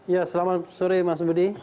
ya selamat sore mas budi